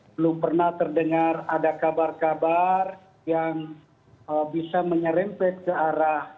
belum pernah terdengar ada kabar kabar yang bisa menyerempet ke arah